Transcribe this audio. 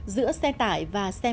giữa xe tải và xe máy